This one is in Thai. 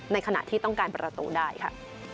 ในขณะที่ต้องการประตูได้ค่ะ